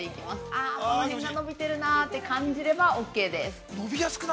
あ、この辺が伸びてるなあと感じればオーケーです。